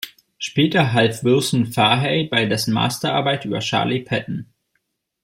Später half Wilson Fahey bei dessen Masterarbeit über Charley Patton.